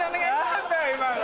何だ今の。